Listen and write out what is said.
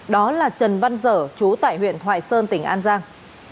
đó là trần văn dở chú tại huyện thoại sơn tỉnh an giang